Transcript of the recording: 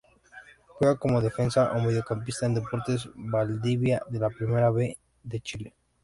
Juega como defensa o mediocampista en Deportes Valdivia de la Primera B de Chile.